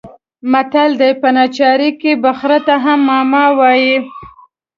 متل دی: په ناچارۍ کې به خره ته هم ماما وايې.